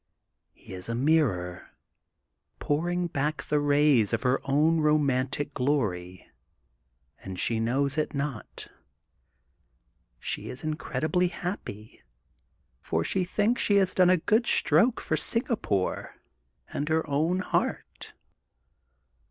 He is a mirror, pouring back the rays of her own romantic glory, and she knows it not. She is incredibly happy, for she thinks she has done a good stroke for Singapore and her own heart.